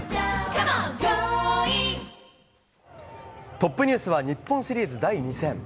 トップニュースは日本シリーズ第２戦。